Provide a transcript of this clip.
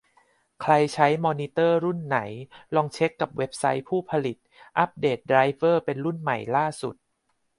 ใครใช้มอนิเตอร์รุ่นไหน ลองเช็คกับเว็บไซต์ผู้ผลิต อัปเดตไดรเวอร์เป็นรุ่นใหม่ล่าสุด